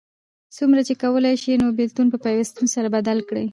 څومره چی کولای سې نو بیلتون په پیوستون سره بدل کړه